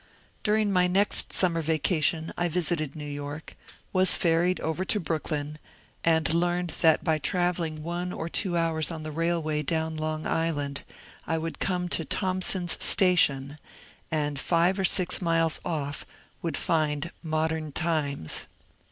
During my next summer vacation I visited New York, was ferried over to Brooklyn, and learned that by travelling one or two hours on the railway down Long Island I would come to ^* Thompson's Station," and five or six miles off would find Modern Times.